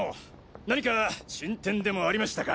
何か進展でもありましたか？